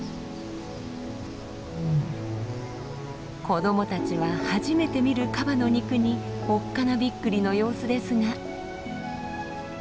子どもたちは初めて見るカバの肉におっかなびっくりの様子ですが。